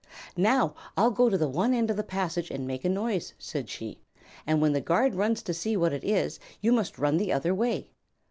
"Now, I'll go to one end of the passage and make a noise," said she; "and when the guard runs to see what it is you must run the other way.